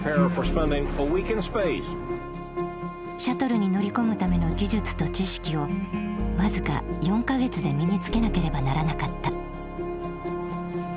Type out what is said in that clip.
シャトルに乗り込むための技術と知識を僅か４か月で身に付けなければならなかった。